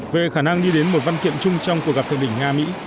về khả năng đi đến một văn kiệm chung trong cuộc gặp thượng đỉnh nga mỹ